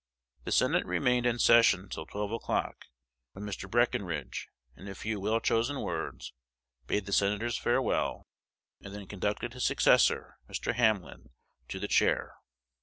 The Senate remained in session till twelve o'clock, when Mr. Breckinridge, in a few well chosen words, bade the senators farewell, and then conducted his successor, Mr. Hamlin, to the chair.